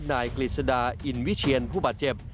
นายกริสดาอินวิเชียนผู้บาดเจ็บ